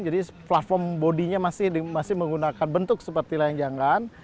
jadi platform bodinya masih menggunakan bentuk seperti layang janggan